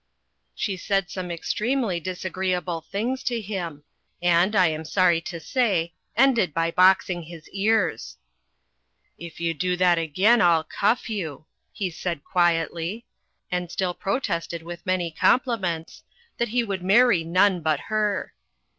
She said some extremely disagreeable things to him, and, I am sorry to say, ended by box ing his ears. "If you do that again, I'll cuflf you," he said quietly; and still pro tested, with many compliments, that he would marry none but her.